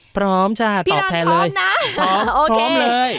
พร้อมจ้าตอบแทนเลยพี่รันพร้อมนะพร้อมพร้อมเลย